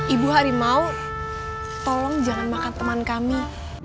ibu harimau tolong jangan makan teman kami